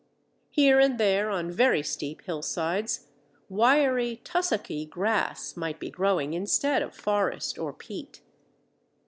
Here and there on very steep hillsides, wiry, tussocky grass might be growing instead of forest or peat.